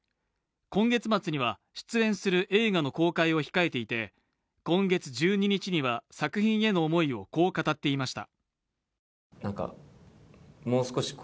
今月末には出演する映画の公開を控えていて、今月１２日には作品への思いをこう語っていました。